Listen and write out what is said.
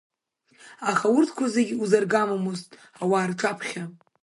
Аха урҭқәа зегьы узаргамомызт ауаа рҿаԥхьа.